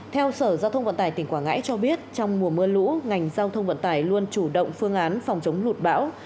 theo sở giao thông vận tải tỉnh quảng ngãi cho biết trong mùa mưa lũ ngành giao thông vận tải luôn chủ động phương án phòng chống lụt bão